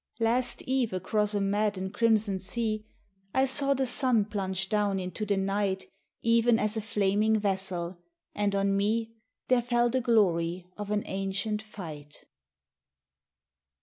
Last eve across a mad encrimsoned sea I saw the sun plunge down into the night Even as a flaming vessel, and on me There fell the glory of an ancient fight.